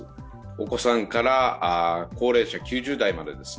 お子さんから高齢者、９０代まで。